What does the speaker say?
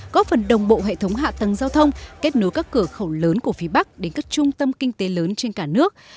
góp phần đồng bộ hệ thống hạ tầng giao thông kết nối các cửa khẩu lớn của phía bắc đến các trung tâm kinh tế lớn trên cả nước